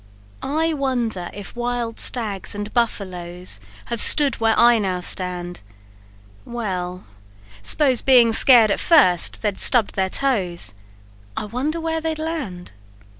"I wonder if wild stags and buffaloes Have stood where now I stand; Well s'pose being scared at first, they stubb'd their toes; I wonder where they'd land.